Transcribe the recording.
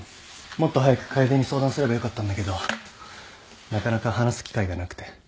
もっと早く楓に相談すればよかったんだけどなかなか話す機会がなくて。